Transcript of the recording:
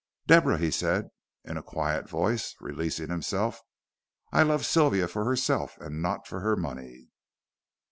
"Deborah," he said, in a quiet voice, releasing himself, "I love Sylvia for herself and not for her money."